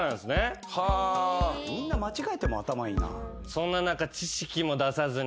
そんな中。